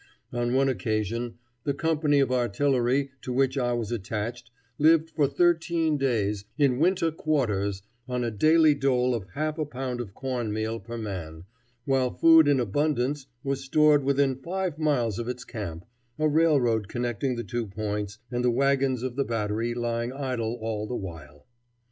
On one occasion the company of artillery to which I was attached lived for thirteen days, in winter quarters, on a daily dole of half a pound of corn meal per man, while food in abundance was stored within five miles of its camp a railroad connecting the two points, and the wagons of the battery lying idle all the while.